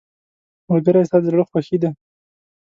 ملګری ستا د زړه خوښي ده.